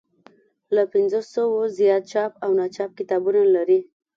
له پنځوسو زیات چاپ او ناچاپ کتابونه لري.